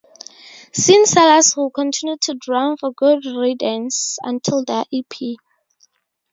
Sean Sellers would continue to drum for Good Riddance until their e.p.